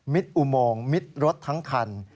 อุโมงมิดรถทั้งคัน